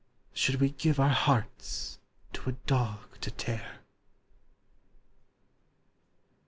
Should we give our hearts to a dog to tear?